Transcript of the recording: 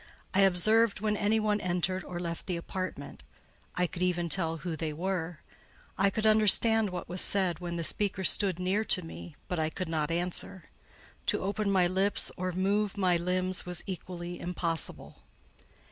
I observed when any one entered or left the apartment: I could even tell who they were; I could understand what was said when the speaker stood near to me; but I could not answer; to open my lips or move my limbs was equally impossible.